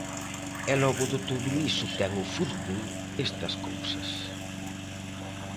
E logo de todo iso ten o fútbol estas cousas.